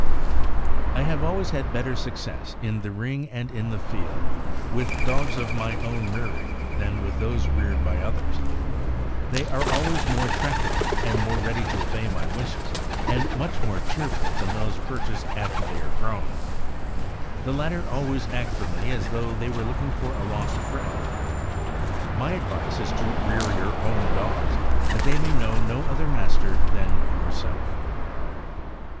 I have always had better success, in the ring and in the field, with dogs of my own rearing, than with those reared by others. They are always more tractable, more ready to obey my wishes, and much more cheerful than those pur chased after they are grown. The latter always act for me as though they were looking for a lost friend. My advice is to rear your own dogs, so that they may know no other master than yourself.